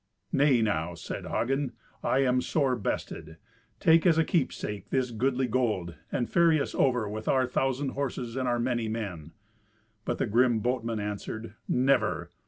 "Nay now," said Hagen, "I am sore bested. Take, as a keepsake, this goodly gold, and ferry us over with our thousand horses and our many men." But the grim boatman answered, "Never!"